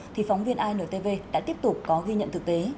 thì phóng viên intv đã tiếp tục có ghi nhận thực tế